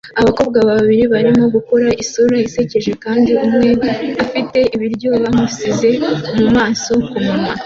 Abakobwa babiri barimo gukora isura isekeje kandi umwe afite ibiryo bamusize mumaso kumunwa